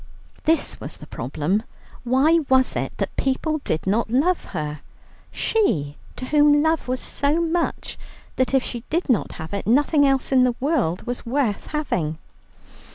This was the problem: Why was it that people did not love her? she to whom love was so much that if she did not have it, nothing else in the world was worth having.